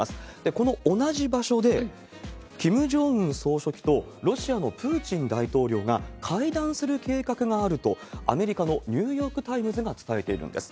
この同じ場所で、キム・ジョンウン総書記とロシアのプーチン大統領が会談する計画があると、アメリカのニューヨーク・タイムズが伝えているんです。